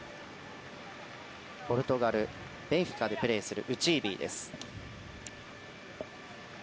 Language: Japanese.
ポルトガルベンフィカでプレーするウチービーです。